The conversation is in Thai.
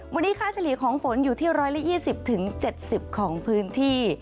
วันนี้ค่าเฉลี่ยของฝนอยู่ที่๑๒๐๗๐ของพื้นที่